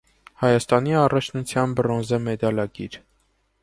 Հայաստանի առաջնության բրոնզե մեդալակիր։